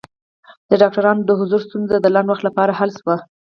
د ډاکټرانو د حضور ستونزه د لنډ وخت لپاره حل شوه.